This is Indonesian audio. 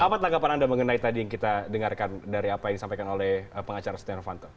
apa tanggapan anda mengenai tadi yang kita dengarkan dari apa yang disampaikan oleh pengacara setia novanto